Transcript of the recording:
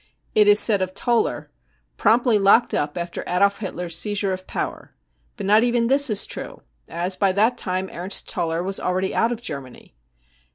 35 It is said of Toller :" Promptly locked up after Adolf Hitler's seizure of power 55 — but not even this is true, as by that time Ernst Toller was already out of Germany.